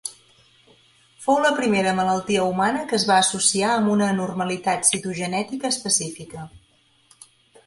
Fou la primera malaltia humana que es va associar amb una anormalitat citogenètica específica.